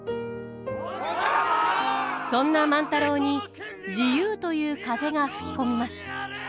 そんな万太郎に自由という風が吹き込みます。